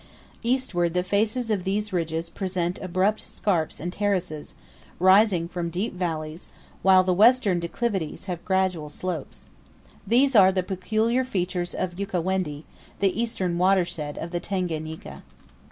Eastward the faces of these ridges present abrupt scarps and terraces, rising from deep valleys, while the western declivities have gradual slopes. These are the peculiar features of Ukawendi, the eastern watershed of the Tanganika.